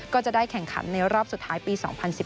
ก็จะได้แข่งขันในรอบสุดท้ายปี๒๐๑๘